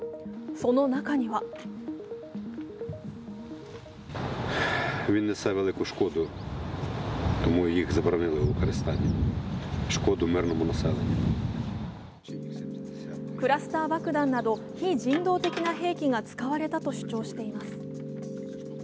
その中にはクラスター爆弾など非人道的な兵器が使われたと主張しています。